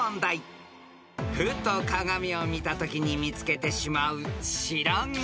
［ふと鏡を見たときに見つけてしまう白髪］